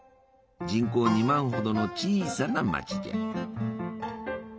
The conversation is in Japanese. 人口２万ほどの小さな町じゃ。